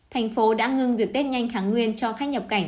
thành phố đã ngưng việc tết nhanh kháng nguyên cho khách nhập cảnh